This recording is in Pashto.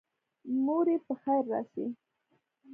موري پخیر راشي